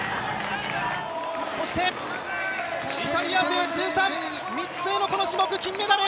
イタリア勢、通算３つ目のこの種目、金メダル！